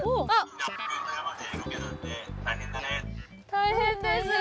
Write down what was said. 大変です。